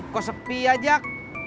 kok sepi ya jak